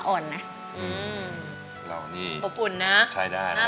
อันดับนี้เป็นแบบนี้